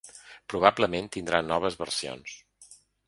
Probablement tindrà noves versions.